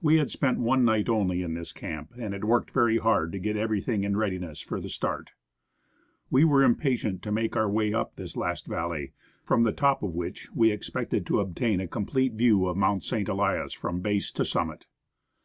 We had spent one night only in this camp, and had worked very hard to get everything in readiness for the stcT,rt. We were impatient to make our way up this last valley, from the top of which we expected to obtain a complete view of Mount St. Elias from base to summit.